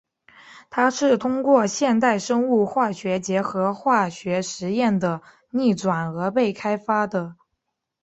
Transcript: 它是通过现代生物化学结合化学实验的逆转而被开发的。